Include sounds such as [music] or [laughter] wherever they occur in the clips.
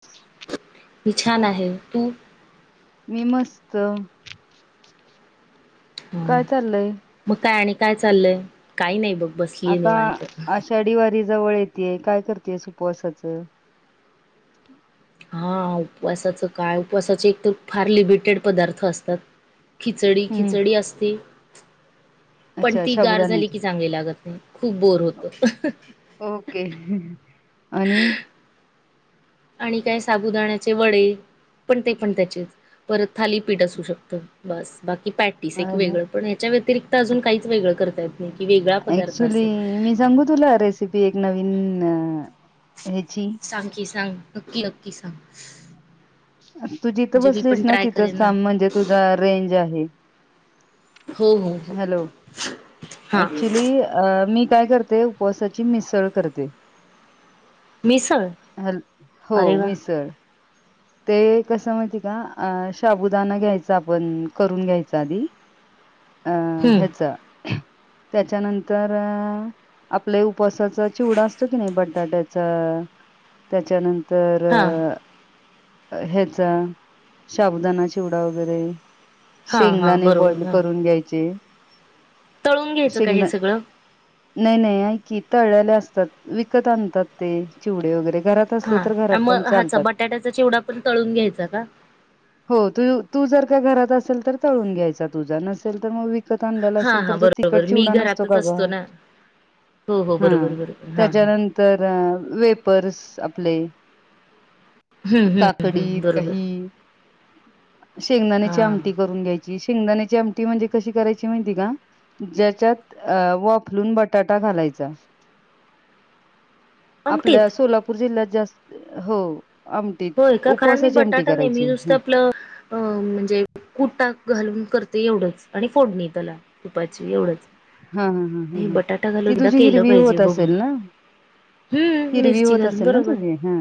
ती ही छान आहे तू मी मस्त हं, काय चाललंय मग काय आणि काय चाललंय काही नाही बघ बसलीये आता निवांत आषाढी वारी जवळ येतेय काय करतेय उपवासच हा उपवासाच काय उपवासाचे एक तर फार लिमिटेड पदार्थ असतात खिचडी हम्म खिचडी असते पण अच्छा ती गार झाली शाबुदाण्याच की चांगली लागत नाही खूप बोर होत. ओके आणि हाँ आणि काय साबुदाण्याचे वडे पण ते पण त्याचेच परत थालीपीठ असू शकतं बस बाकी पॅटीस एक वेगळं पण ह्याच्या व्यतिरिक्त अजून काहीच वेगळं करता येत नाही कि वेगळा पदार्थ ऍक्च्युली असेल ना सांग की सांग नक्की नक्की किसां तू जिथं बसलीस ना ना तिथं म्हणजे तुझा रेंज आहे हो हो हो हां ऍक्चुली अ मी काय करते उपवासाची मिसळ करते मिसळ ह हो अरे वा मिसळ ते कसं माहिती का अ शाबुदाना घ्यायचा आपण करून घ्यायच आधी अह हम्म हयाचा त्याच्यानंतर आपल्या उपसाचा चिवडा असतो की नाही बटाट्याच त्याच्यानंतर तर हां ह्याचा शाबूदाना चिवडा वगैरे हां हां शेंगदाणे बॉइल बरोबर हां करून घ्यायचे तळून घ्यायचं का हे शेंगदाणे सगळं नाही नाही कि तळल्याले असतात विकत आणतात ते चिवडे वगैरे घरात असले हा तर अ घरात म पण हाचा चालतात बटाट्याचा चिवडा पण तळून घ्यायच का. [unintelligible] हो तू तू जर का घरात असेल तर तळून घ्यायचा तुझा नसेल तर मग वी कत आणलेला असेल हां तर हां जर तिखट बरोबर मी चिवडा नसतो घरातच का ग असतो ना हो हो [unintelligible] बरोबर हां बरोबर हां हां त्याच्यानंतर वेफर्स प्ले. हम्म हम्म हम्म काकडी बरोबर दही [unintelligible] शेंगदाण्याची हां आमटी करून घ्यायची शेंगदाण्याची आमटी म्हणजे कशी करायची माहिती का ज्याच्यात वाफलून बटाटा घालायचा. [unintelligible] आपल्या आमटीत सोलापूर जिल्ह्यात जास हो आ होय का कारण मी बटाटा नेहमी नुसत आपलं अ म्हणजे कुटा घालून कर ते एवढंच आणि फोडणी त्याला तुपाची एवढंच. हा हा ह ह हे ह बटाटा ती घालून एकदा तुझी केलं हिरवी पाहिजे होत बघून असेल ना [unintelligible] हम्म हिरवी मिरची होत घालून असेल ना बरोबर तुझी हा [unintelligible]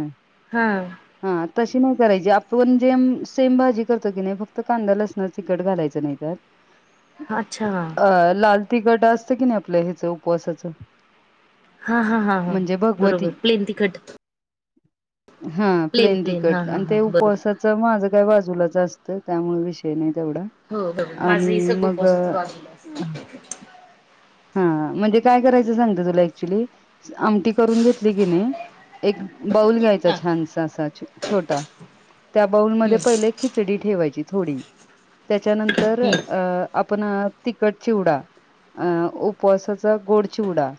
हां हा तशी नाही करायची आपण जेम सेम भाजी करतो की नाही फक्त कांदा लसणार चिकट घालायचं नाही तर अच्छा. तिखट असत की नाही आपल्या ह्याच उपवासाचं हा, हा, हा, हा म्हणजे भगवती बरोबर प्लेन तिखट हा प्लेन हा तिकट हा आणि हा ते बरोबर उपवासाच माझं व्हयं बाजूलाच असतंय त्यामुळे विषय नाही. तेवढा हो बरोबर माझं आणि ही सगळं मग उपवासाच बाजूला असत हा म्हणजे काय करायचं सांगत तुला ऍक्च्युली आमटी करून घेतली कीने एक बाऊल घ्यायचां हा छानच असा छोटा त्या हम्म बाउलमध्ये पहिले खिचडी ठेवायची. थोडी त्याच्यानंतर हम्म अं आप पण तिखटची चिव अ उपवासाचा गोड चिवडा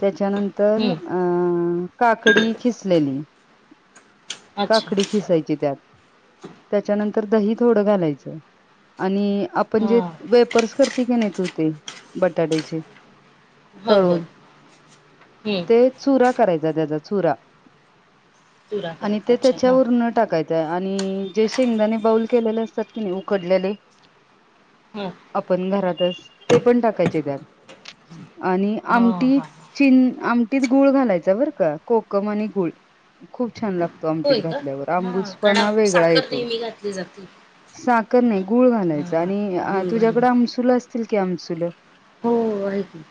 त्याचा त्यानंतर हम्म अ काकडी खिसलेली अच्छा काकडी खिसायची त्यात त्याच्यानंतर दही थोडं घालायचं आणि आपण हा जे वेपर्स करत ती कने तू ते बटाट्याचे हो हो तळून हम्म ते चुरा करायचा त्याचा सुरा चुरा आणि करायचा ते अच्छा हा त्याच्यावर न टाकायचं आणि आणि जे शेंगदाने बाऊल केलेले असतात कि नाही उकडलेले हा आपण घरातच ते पण टाक कायची त्या आणि हा आमटी हा चिन आम तत गुळ घालायच बरं का कोकम आणि गुळ खूप छान लागत होय आमटीत का घातल्यावर हा कारण आंबूजपणा वेगळा साखर येतो नेहमी घातली जाते साखर नाही गुळ घालायचे हा आणि गुळ घालून तुझ्याकड आमसुल सिल कमसुल हो आहे की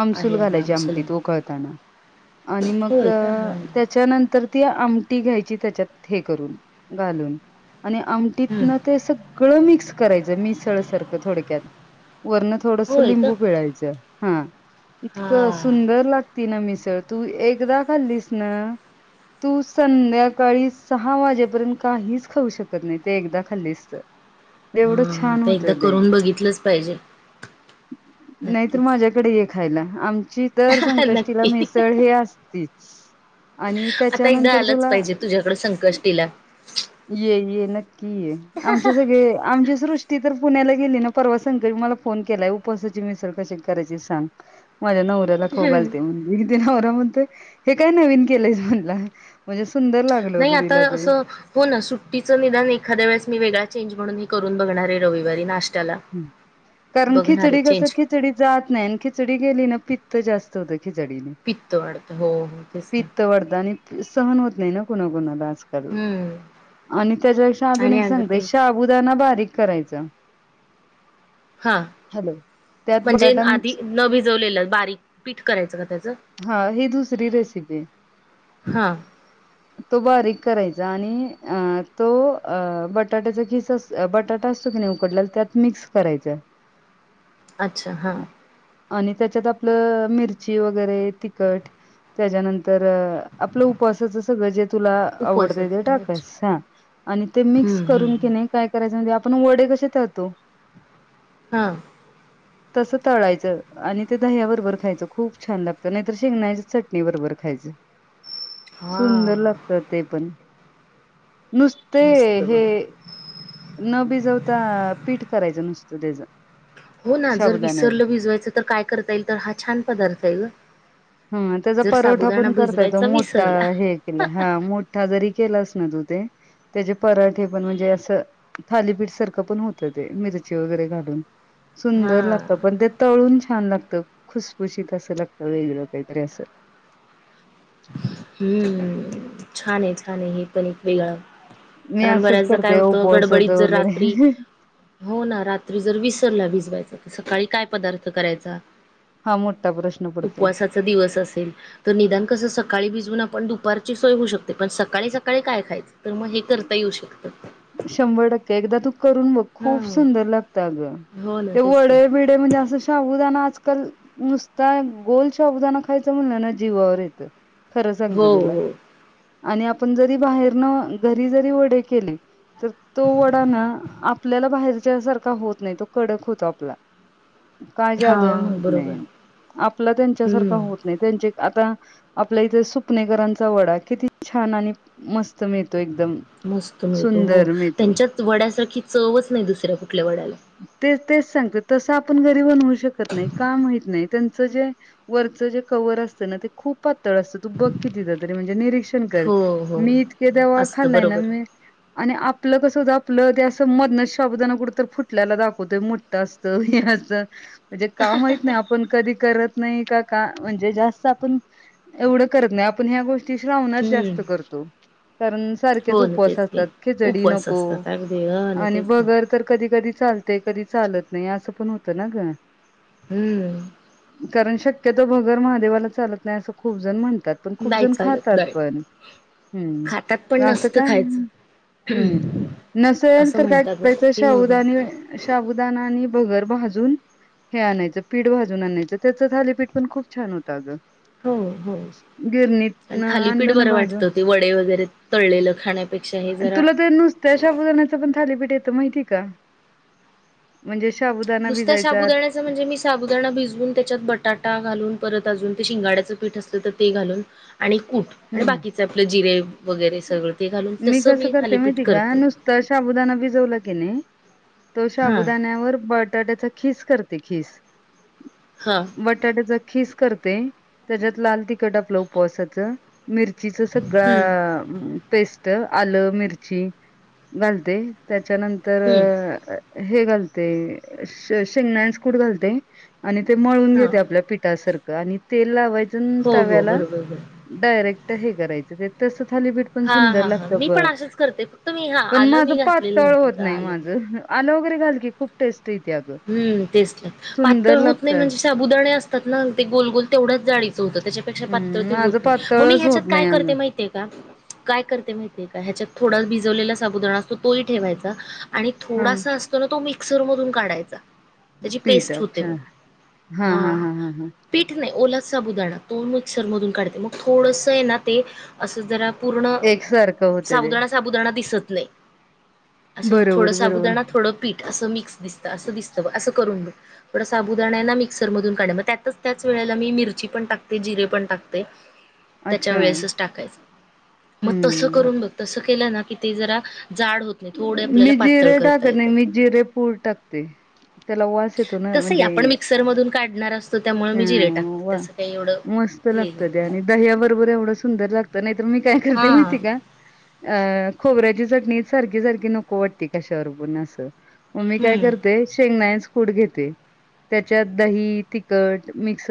आमसूल आहे आहे घालायची आमसुल आमटीत उकळताना आणि मग होय का हा त्याच्यानंतर ती आमटी घ्यायची त्याच्यात हे करून घालून आणि हम्म आमटीतन ते सग सगळ मिक्स करायच मिसळ सार थडक्यात व थोडस होय का लिंबू पिळायचं हा इतकं हा सुंदर लागती ना मिसळ तू एकदा खाल्लीस ना तू संध्याकाळी सहा वाजेपर्यंत काहीच खाऊ शकत नाही ते एकदा खाल्लीस तर एवढं छान ता एकदा होतं करून बघितलंच पाहिजे नाही तर नक्कीच. माझ्याकडे खायला आम तरर संकष्टीला नक्की. मेसळ हे अस तीच आता एकदा आलंच पाहिजे तुझ्याकडे संकष्टीला ये ये नक्की क आमच्या सगळे आमच्या ृी तर पुण्याला गेली परवा संकळी मला फोन केला उपसाची मिसळ क कराय सांग्या न लाोगलतव तीनवरा म्हणतय हे काय नवीन केलंय म्हनला म्हणजे सुंदर लागलं नाही होतं आता तिला ते असं हो ना सुट तिचं निदान एखाद्या वेळेस मी वेगळा चेंज म्हणून ह करून बगणार आहे रविवारी नाश् ह कारण खिचडी कस चेंज. खिचडी जात नाही खिचडी पितत जास्त होत ची जडीने पित्त वाढतं. हो, हो. तेच ना. पित्त वाढतं आणि सहन हो त नाही ना कोणाकोणाला. हं. आणि त्याज्यापेक्षा अजून आणि एक अगं सांगते ते शाबुदाना बारीक करायचं हां त्यात म्हणजे बटाटा आधी मिक्स न भिजवलेलं बारीक पीठ करायचं का त्याच हा ही दुसरी रेसिपी आहे. हां. करायच आणि अ तो अ बटाट्याचा किस अस बटाटा असतो क नाही उकडलेला त्यात मिक्स करायचं अच्छा हां आणि त्याच्यात आपलं मिरची वगैरे तिखट त्याच्यानंतर आपलं उपवासाच सगळं जे तुला आवडतय ते उपवासाचं. अच्छा. टाकायचं ते मिक्स हं, हं, करून की हं. नाही काय कराय माहि आपण वडे कसे तळतो हां तसं तळायचं आणि ते दह्या बरोबर खायचं खूप छान लागतं नाहीतर शेंगण्याच्या चटणी बरोबर खायचं. सुंदर हां. लागतं ते पण. मस्त नुसतं हे बघ. न भिजवता करायचं नसतं त्याचं हो ना जर विसरलं भिजवायचं तर काय करता येईल तर हा छान पदार्थ आहे गं हा त्याचा पारोठा पण करता येतो मोठा विसरला हे केला हां मोठा. जरी केलास ना तू ते त्याचे पराठे पण म्हणजे अस थालीपीठ सारखं पण होतं ते मिरची वगैरे घालून. सुंदर हा. लागतं पण ते तळून छा छान लागतं खुशखुशीत असं लागतं वेगळं कायतरी असं हम्म छान आहे छान आहे हे पण एक वेगळं मी कारण असंच बऱ्याचदा काय करते होतं गडबडीत उपवासाचं जर रात्री वगैरे हो ना रात्री जर विसरला विस सकाळी काय पदार्थ करायचा हा मोठा प्रश्न पडतो उपवासाचा दिवस असेल तर निदान कस स ते भिजवून आपण दुपारची सोय होऊ शकते पण सकाळी सकाळी काय खायचं तर मग हे करता येऊ शकतं. शंभर टक्के एकदा तू करून बघ हा खूप सुंदर लागतं अगं हो ना ते तेच की वडे बिडे म्हणजे असं शाबुदाणा आज काल नुसता गोल शाबुदाणा खायचं म्हणलं ना जीवावर येतं. खरं सांगते हो तुला. हो आणि आपण जरी बाहेरन घरी जरी वडे केले तर तो वडा ना आपल्याला बाहेरच्या सारखा होत नाही तो कडक होतो आपला. काय हा जादू आहे माहीत बरोबर नाहीये. आपला त्यांच्यासारखा हम्म होत नाही त्यांचे आता आपल्या इथे सुपनेकरांचा वडा किती छान आणि मस्त स्त मिळतो एकदम मस्त मिळतो हो सुंदर. मिळतो त्यांच्यात वाड्यासाठी चवच नाही दुसऱ्या कुठे तेच तेच सांगत तसं आपण घरी बनवू शकत नाही का माहीत नाही त्यांच जे वरचं जे कवर असत ना ते खूप पातळ असतं. तू बघ कितीदा तरी म्हणजे निरीक्षण कर हो हो [unintelligible] असतं खालाय ना बरोबर मी आणि आप आपलं कस आपलं ते असं मधनच साबूदाणा कुठतर फुटतो फुटलेला दाखवतो मोठं असतं हे अस म्हणजे काम महित नाही आपण कधी करत नाही का का म्हणजे जास्त आपण एवढं करत नाही आपण ह्या गोष्टी श्रावणात हम्म जास्त करतो कारण सारखेच हो ना उपवास तेच की असतात. खिचडी उपवास नको असतात अगदी ह ना आणि तेच ना भगर तर कधी कधी चालतयं कधी चालतं नाही असं पण होतं ना गं हम्म. कारण शक्यतो भगर महादेवाला चालत नाही असं खूप जण म्हणतात. पण नाही खूपजण चालत खातात डाळ पण खातात पण हम्म असं नसतं काय खायचं हम्म नसेल असं तर, काय म्हणतात बाबा करायचं की मग साबूदाणे शाबूदाना आणि भगर भाजून हे आणायचं पीठ भाजून आणायचं त्याचं थालीपीठ पण खूप छान होतं अगं. हो, हो आणि गिरणीत थालीपीठ आणलं ना बरं भाजून वाटतं, ते वडे वगैरे तळलेलं खाण्यापेक्षा हे जरा नुसत्या शाबुदाण्याचं पण थालीपीठ ते तर माहिती का म्हणजे शाबुदाना नुसत्या भिजायचा साबूदाण्याचा म्हणजे, मी साबूदाणा भिजवून त्याच्यात बटाटा घालून परत अजून ते शिंगाड्याचं पीठ असत तर ते घालून आणि कूट आणि हम्म बाकीचं आपलं जिरे वगैरे सगळं ते घालून तसं कसं मी करते थालीपीठ माहिती का करते. नुसतं साबुदाणा भिजवला की नाही तो हां शाबूदाण्यावर बटाट्याचा खीस कर ते खीस हां बटाट्याचा खीस करते त्याच्यात लाल तिखट आपलं उपवासाच मिरचीच हम्म सगळं पेस्ट त आलं मिरची घालते त्यात त्याच्यानंतर हम्म हे घालते शेंगदाण्याचे कुट घालते आणि ते मळून हां घेते आपल्या पिठासारखं [unintelligible] आणि तेल लावायचं. [unintelligible] हो हो तव्याला. बरोबर बरोबर डायरेक्ट हे करायचं ते तसं. थालीपीठ पण हां सुंदर हां हां मी लागत. पण असंच करते फक्त मी हां पण आलं माझ मी घातलेलं पातळ नव्हतं होत आता नाही माझ. [unintelligible] घा कीूप टेस्- हम् तेच पातळ होत नाही लागतय म्हणजे साबुदाणे असतात ना ते गोलगोल तेवढंच जाळीचं होतं त्याच्या हम्म ्र होत माझं नाही मग मी पातळच ह्याच्यात होत काय नाही करते अगं माहितीय का- काय करते माहिय का ह्याच्यात थोडा भिजवलेला साबुददा असतो तो ठेवायचा- आणि हा थोडासा असत ना तो म- मिकसरधून काढायचं. अ. त्याची पीठ पेस्ट होते अच्छा हा पीठ नाही ओ- साबुदाणा तो मिक्सर मधून काढते मग थोडंसं आहे ना ते असं जरा- पूर्ण एकसारखं होत ते सावदाणा साबुदाणा दिसत- प नाही. असं थोडं बरोबर बरोबर साबुदाणा थोडं पीठ. असं मिक्स दिसत असं दिसत- असं करून ब थोड साबुदाण आहे ना मिक्सर मधून काढ मग त्यातच त्याच वेळेला मी मिरची पण टाकते जिरे पण टाकते. त्याच्या अच्छा वेळेसच टाकायचं मग तस हम्म करून बघ तस- केलं ना कि ते जरा. जाड होत नाही थोडे आपल्याला मि पातळ जिरे करता टाकत नाही येतात मिी जिरे पूड टाकते. त्याला वास येतो ना तसंही म्हणजे आपण मिक्सरमधून काढणार असतो त्यामुळे अ मी जिरे टाकते वा त्याचं काही एवढं मस्त हे लागत होत त्या नाही आणि दह्या बरोबर एवढं सुंदर लागत नाहीतर मी काय करते हा माहिती का- अ खोबऱ्याची चटणी. सारखी सारखी नको वाटती कशावरबून असं. मग ममी काय हम्म करते शेंगनाय- घेते त्याच्यात दही तिखट मिक्स -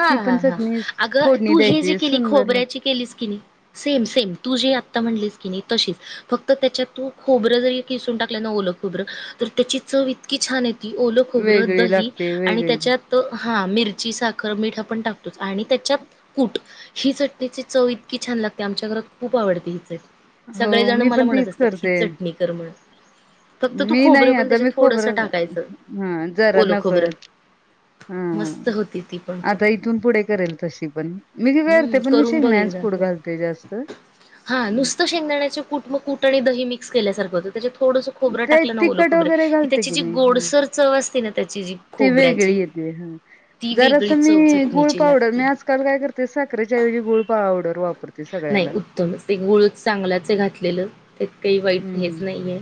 हा हा हा अगं तू हे जे द्यायची केली सुंदर ला खोबऱ्याची केलीस की नाही सेम सेम तू जे आता म्हणलीस- कि नाही तशीच फक्त त्याच्यात तू खोबरं जरी किसून टाकलं न ओलं खोबरं तर त्याची चव इ- इतकी छान येतती ओलं खोबरं वेगळी दही लागते आणि वेगळी त्याच्यात- हा मिरची साख- खरं मीठ आपण टाकतोच आणि त्याच्यात कूट ही चटणीची चव इतकी छान लागते आमच्या घरात खूप आवडते ही चई- हो मी पण तीच करते चटणी कर म्हणून फक्त तू मी खोबरं नाही पण आता मी त्याच्यात खबर थोडंसं टाकायचं हा जरा ओलं खोबरं नकळत मस्त होती ती हा- पण खूप आता इथून पुढे करेल तशी पण मी क करते हम्म पण मी करून शिक बघ नाहीच एकदा पुूड तू घालते जास्त ेंगण्या कूट कू आणि दही मिक्स केल्यासारखं होत त्याच्यात थोडस खोरं ते टाकलं नवल तिखट खोबरं वगैरे की त्याची जी गोडसर चव असते ना त्याची जी तिवे गिळ खोबऱ्याची ये हा ती जरा स वेगळी मी चव गुळ चटणीची पावडर लागते. मी आजकाल काय करते साखरेच्या ऐवजी गुळ पावडर वापरते नाही सगळ्याला उत्तमच ते गुळ चांगलाच आहे घातलेलं. त्यात काही वाईट हेच हम्म नाहीये.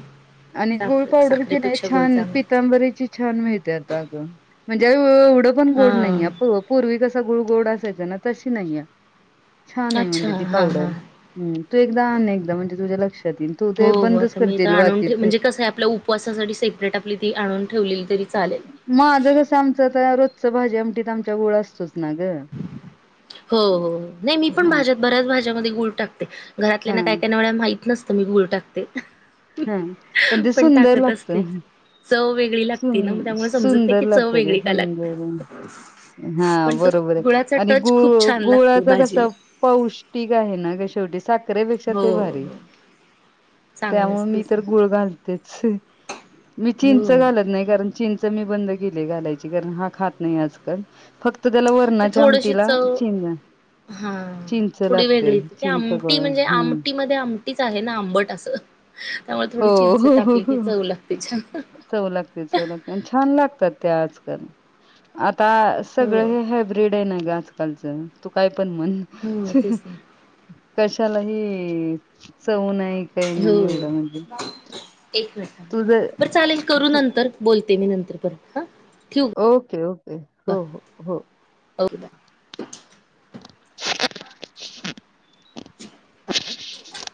आणि गुळ साखर पावडर की नाही साखरेपेक्षा गुळ छान चांगला पितांबरीची छान मिळते आता ग म्हणजे इतक पण गोड हां, नाहीये पूर्व पूर्वी कसं इतका गुळ गोड असायचा ना तशी नाहीये. छान आहे अच्छा म्हणजे ती हां, पावडर हां. हम्म तू एकदा आण एकदा म्हणजे तुझ्या लक्षात येईल. तू हो ते हो बंदच आता मी त करशील आणून ठेव बाकीच. म्हणजे कसं आहे आपल्या उपवासासाठी सेपरेट आपली ती आणून ठेवलेली तरी चालेल. माझं कसं आमचं आता रोजच भाजी आमटी त आमच्या गुळ असतोच. ना गं. हो हो नाही मी पण हा भाज्यात बऱ्याच भाज्यामध्ये गुळ टाकते घरातल्या हा ना काय कायन वेळा माहित नस त की मी गुळ टाकते. हा पण तेे सुंदर टाकत लागत. असते. चव वेगळी लागते ना म त्यामुळे समजत नाही की चव लागतं ते वेगळी का सुंदर लागते हा पण त बरोबर आणि गुळ गुळाच कस पौष्टिक आहे ना शेवटी साख साखरे पेक्षा हो, ते भारी हो. चांगलंच त्यामुळे मी तेच तर ना गुळ घालतेच. मी चिंच च हो घालत नाही कारण चिंच मी बंद बंद केलीये घालायची कारण हा खात नाही आज कल फक् ते थोडशी चव हा चिंच थोडी लागते वेगळी ते चिंच आमटी गोळा म्हणजे हम्म आमटी मध्ये आमटीच आहे ना आंबट असं त्यामुळे हो थोडी चिंच हो हो टाकली हो ती चव लागते छान. चव लागते चव लागते आणि छान लागतात ते आजकाल. आत ता हो, सगळ हे हायब्रीड आहे ना ग आज काल च तू काय पण म्हण हो तेच ना. कस शाला ही चव नाही काही नाही हो. एवढं म्हणजे. एक मिनिट तुझ बरं चालेल करू नंतर बोलते मी. मी नंतर परत हा. ठेवू ओके ओके हो हो हो हो का [inaudible] ह